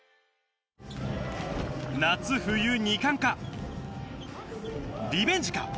夏冬２冠か、リベンジか。